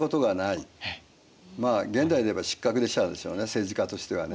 現代でいえば失格者でしょうね政治家としてはね。